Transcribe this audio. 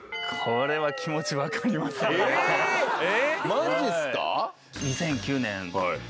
マジっすか？